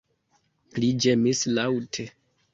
Li ĝemis laŭte.